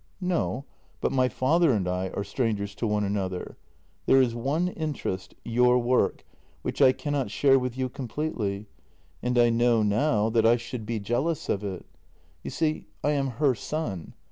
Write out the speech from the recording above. " No, but my father and I are strangers to one another. There is one interest — your work — which I cannot share with you completely, and I know now that I should be jealous i66 JENNY of it. You see, I am her son.